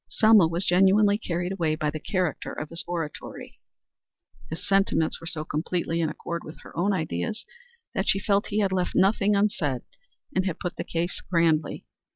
Selma was genuinely carried away by the character of his oratory. His sentiments were so completely in accord with her own ideas that she felt he had left nothing unsaid, and had put the case grandly.